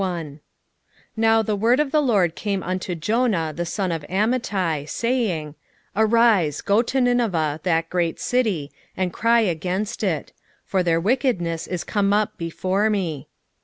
Jonah 1:1 Now the word of the LORD came unto Jonah the son of Amittai, saying, 1:2 Arise, go to Nineveh, that great city, and cry against it; for their wickedness is come up before me.